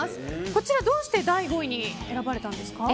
こちら、どうして第５位に選ばれたんですか。